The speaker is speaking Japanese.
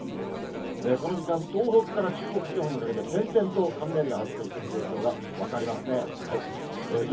この時間、東北から中国地方にかけて点々と雷が発生している状況が分かりますね。